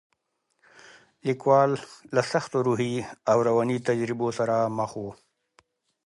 لیکوال له سختو روحي او رواني تجربو سره مخ و.